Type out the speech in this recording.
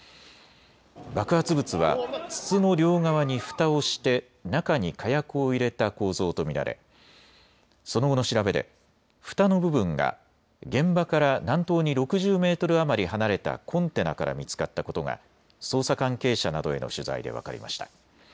爆発物は筒の両側にふたをして中に火薬を入れた構造と見られその後の調べでふたの部分が現場から南東に６０メートル余り離れたコンテナから見つかったことが捜査関係者などへの取材で分かりました。